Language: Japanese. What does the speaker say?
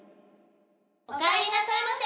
おかえりなさいませ